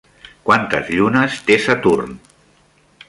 Quantes llunes té Saturn?